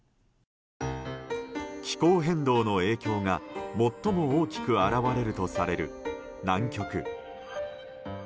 気候変動の影響が最も大きく現れるとされる南極。